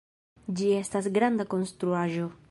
Ĝi estas granda konstruaĵo